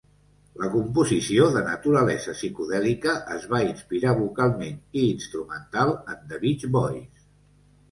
La composició, de naturalesa psicodèlica, es va inspirar vocalment i instrumental en "The Beach Boys".